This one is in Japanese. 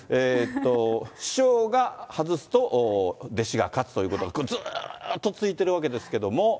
師匠が外すと、弟子が勝つということが、これ、ずっと続いてるわけですけども。